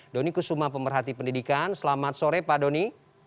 doni kusuma pemerhati pendidikan selamat sore pak doni